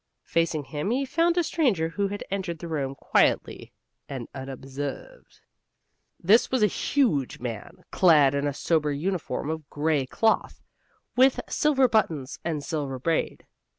Facing him he found a stranger who had entered the room quietly and unobserved. This was a huge man, clad in a sober uniform of gray cloth, with silver buttons and silver braid.